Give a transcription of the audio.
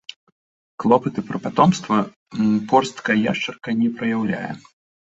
Клопаты пра патомства порсткая яшчарка не праяўляе.